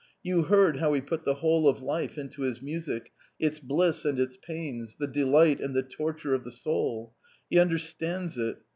You heard how he put the whole of life into his music, its bliss and its pains, the delight and the torture of the soul. He understands it.